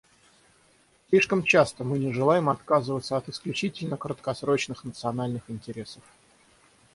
Слишком часто мы не желаем отказываться от исключительно краткосрочных национальных интересов.